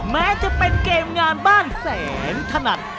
แม้จะเป็นเกมงานบ้านแสนถนัด